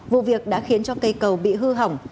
vụ việc đã khiến cho cây cầu bị hư hỏng